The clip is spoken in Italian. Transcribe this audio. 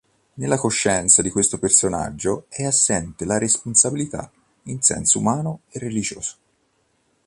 Nella coscienza di questo personaggio è assente la responsabilità in senso umano e religioso.